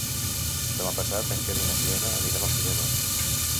Demà passat en Quer i na Fiona aniran al cinema.